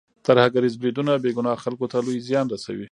ترهګریز بریدونه بې ګناه خلکو ته لوی زیان رسوي.